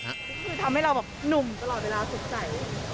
คือทำให้เรานุ่มตลอดเวลาสุขใจ